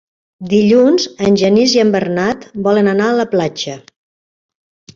Dilluns en Genís i en Bernat volen anar a la platja.